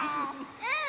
うん！